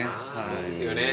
そうですよね。